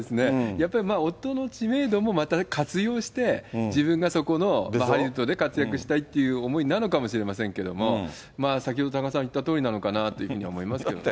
やっぱり夫の知名度もまた活用して、自分がそこのハリウッドで活躍したいっていう思いなのかもしれませんけど、まあ、先ほど多賀さん言ったとおりなのかなというふうに思いますけどね。